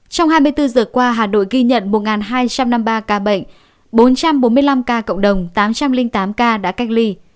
trong hai mươi bốn giờ qua hà nội ghi nhận một hai trăm năm mươi ba ca bệnh bốn trăm bốn mươi năm ca cộng đồng tám trăm linh tám ca đã cách ly